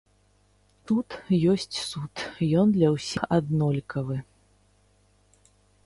Суд ёсць суд, ён для ўсіх аднолькавы.